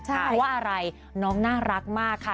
เพราะว่าอะไรน้องน่ารักมากค่ะ